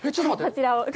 こちらを。